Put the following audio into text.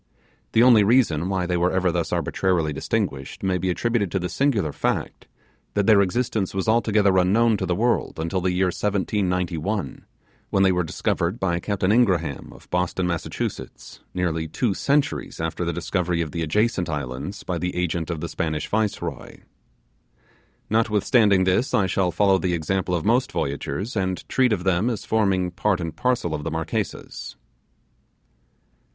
The only reason why they were ever thus arbitrarily distinguished may be attributed to the singular fact, that their existence was altogether unknown to the world until the year 1791, when they were discovered by Captain Ingraham, of Boston, Massachusetts, nearly two centuries after the discovery of the adjacent islands by the agent of the Spanish Viceroy. Notwithstanding this, I shall follow the example of most voyagers, and treat of them as forming part and parcel of Marquesas.